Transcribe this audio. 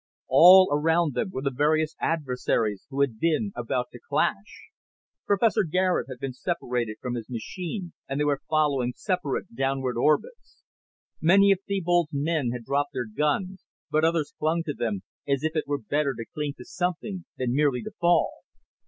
All around them were the various adversaries who had been about to clash. Professor Garet had been separated from his machine and they were following separate downward orbits. Many of Thebold's men had dropped their guns but others clung to them, as if it were better to cling to something than merely to fall.